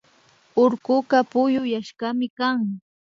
Urkuka puyuyashkami kan